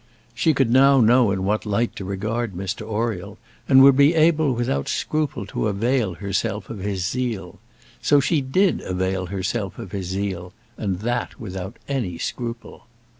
She could now know in what light to regard Mr Oriel, and would be able without scruple to avail herself of his zeal. So she did avail herself of his zeal, and that without any scruple.